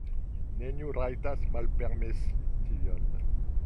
Neniu rajtas malpermesi tion!